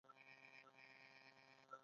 د باطل زور ورو په ورو مات شي.